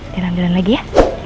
jalan jalan lagi ya